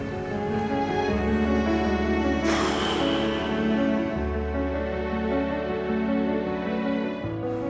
aku juga gak mau